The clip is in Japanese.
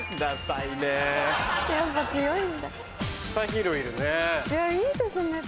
いやいいですね。